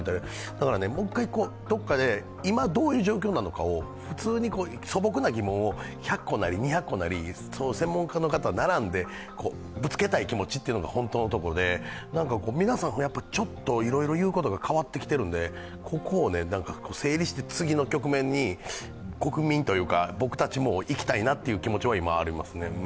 だからもう一回どこかで今どういう状況なのか、普通に素朴な疑問を１００個なり２００個なり、専門家の方並んでぶつけたいというのが本当のところで、皆さん、ちょっといろいろ言うことが変わってきてるのでここを整理して次の局面に国民というか、僕たちもいきたいなという気持ちはありますね。